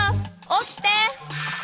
起きて！